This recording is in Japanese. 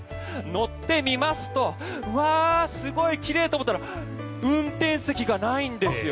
乗ってみますとすごい奇麗！と思ったら運転席がないんですよ。